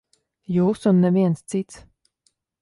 Jūs un neviens cits.